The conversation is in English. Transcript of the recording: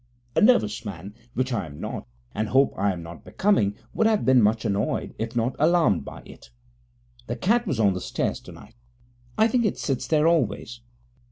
A nervous man, which I am not, and hope I am not becoming, would have been much annoyed, if not alarmed, by it. The cat was on the stairs tonight. I think it sits there always.